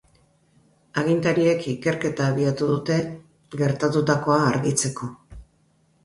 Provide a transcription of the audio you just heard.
Agintariek ikerketa abiatu dute, gertatutakoa argitzeko.